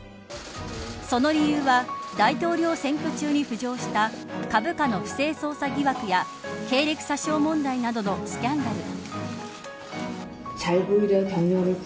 その理由は大統領選挙中に浮上した株価の不正操作疑惑や経歴詐称問題などのスキャンダル。